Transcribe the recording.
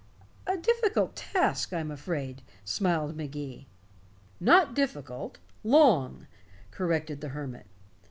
"A difficult task, I'm afraid," smiled Magee. "Not difficult long," corrected the hermit.